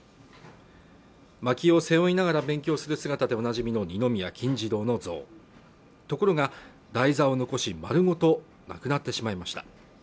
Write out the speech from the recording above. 薪を背負いながら勉強する姿でおなじみの二宮金次郎の像ところが台座を残し丸ごとなくなってしまいました